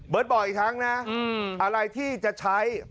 เบิ้ลบอกอีกทั้งนะอะไรที่จะใช้